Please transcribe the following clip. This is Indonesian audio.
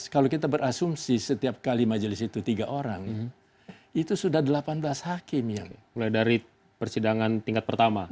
kalau kita berasumsi setiap kali majelis itu tiga orang itu sudah delapan belas hakim yang mulai dari persidangan tingkat pertama